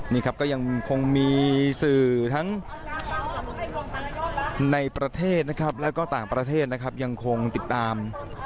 นี่ครับก็ยังคงมีสื่อทั้งในประเทศนะครับแล้วก็ต่างประเทศนะครับยังคงติดตาม